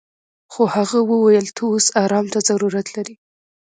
خو هغه وويل ته اوس ارام ته ضرورت لري.